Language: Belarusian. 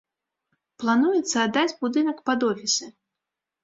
Плануецца аддаць будынак пад офісы.